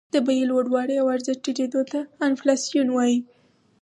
د بیې لوړوالي او ارزښت ټیټېدو ته انفلاسیون وايي